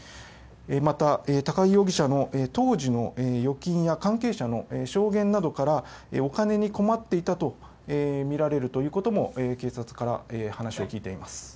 また、高井容疑者の当時の預金や関係者の証言などからお金に困っていたとみられるということも警察から話を聞いています。